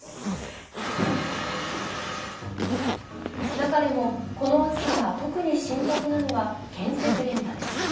中でも、この暑さが特に深刻なのは、建設現場です。